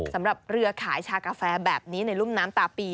สำหรับเรือขายชากาแฟแบบนี้ในรุ่มน้ำตาปี